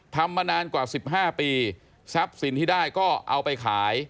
ทำมานานกว่า๑๕ปีทรัพย์สินที่ได้ก็เอาไปขาย